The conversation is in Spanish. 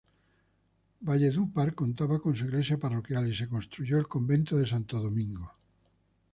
Valledupar contaba con su iglesia parroquial y se construyó el Convento de Santo Domingo.